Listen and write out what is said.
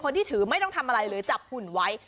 ที่ถือไม่ต้องทำอะไรเลยจับหุ่นไว้